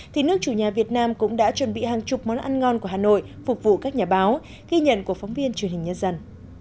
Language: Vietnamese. thì nước chủ nhà việt nam cũng đã chuẩn bị hàng chục món ăn ngon của hà nội phục vụ các nhà báo ghi nhận của phóng viên truyền hình nhân dân